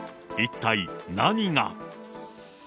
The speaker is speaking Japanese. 一体何が。